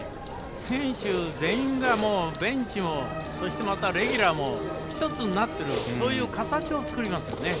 選手全員がベンチもレギュラーも一つになっているそういう形を作りますよね。